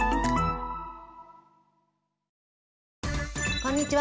こんにちは。